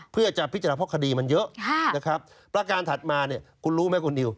เพื่อจะพิจารณาเพราะคดีมันเยอะนะครับประการถัดมาเนี่ยคุณรู้ไหมคุณนิว